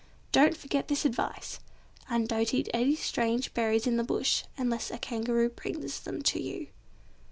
Don't forget this advice! And don't eat any strange berries in the bush, unless a Kangaroo brings them to you.